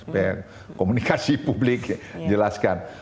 supaya komunikasi publik jelaskan